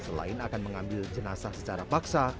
selain akan mengambil jenazah secara paksa